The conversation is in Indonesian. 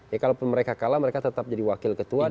ya kalaupun mereka kalah mereka tetap jadi wakil ketua